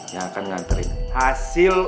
yang akan nganterin hasil